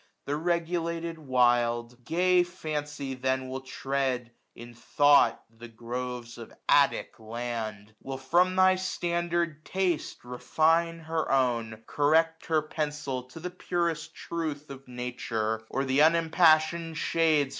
The regulated wild ; gay Fancy then Will tread in thought the groves of Attic Land j Will from thy standard taste refine her own, 1055 Correct her pencil to the purest truth Of Nature, or, the unimpassion'd shades AUTUMN.